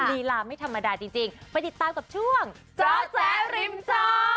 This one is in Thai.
ลีลาไม่ธรรมดาจริงไปติดตามกับช่วงจอแจ๊ริมจอ